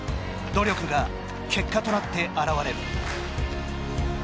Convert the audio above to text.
努力が結果となって現れる。